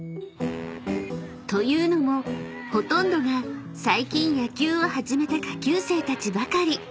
［というのもほとんどが最近野球を始めた下級生たちばかり］